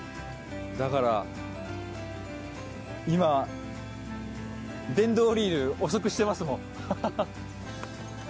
だから今電動リール遅くしてますもん。